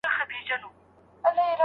پوهنتون شاګردانو ته سمه لارښوونه ونه کړه.